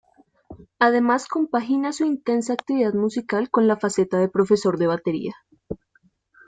Además compagina su intensa actividad musical con la faceta de profesor de batería.